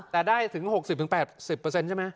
แต่ได้ถึง๖๐๘๐เปอร์เซ็นต์ใช่ไหม